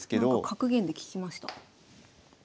格言で聞きました。